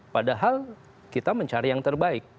padahal kita mencari yang terbaik